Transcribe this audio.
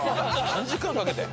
３時間かけて！？